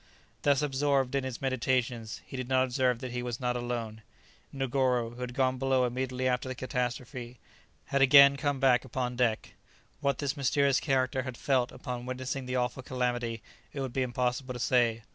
Thus absorbed in his meditations he did not observe that he was not alone. Negoro, who had gone below immediately after the catastrophe, had again come back upon deck. What this mysterious character had felt upon witnessing the awful calamity it would be impossible to say.